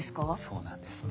そうなんですね。